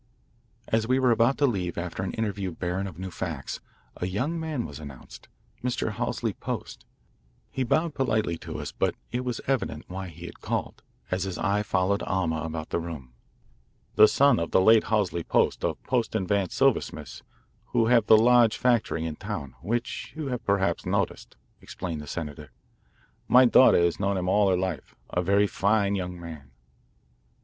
As we were about to leave after an interview barren of new facts, a young man was announced, Mr. Halsey Post. He bowed politely to us, but it was evident why he had called, as his eye followed Alma about the room. "The son of the late Halsey Post, of Post & Vance, silversmiths, who have the large factory in town, which you perhaps noticed," explained the senator. "My daughter has known him all her life. A very fine young man."